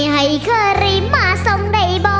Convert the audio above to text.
ให้เคอรี่มาส่งได้บ่